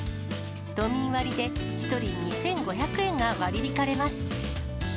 都民割で１人２５００円が割り引かれます。